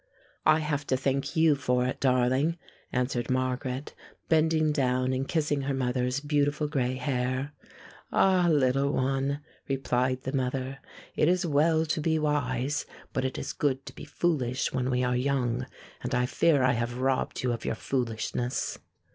"I have to thank you for it, darling," answered Margaret, bending down and kissing her mother's beautiful gray hair. "Ah! little one," replied the mother, "it is well to be wise, but it is good to be foolish when we are young and I fear I have robbed you of your foolishness."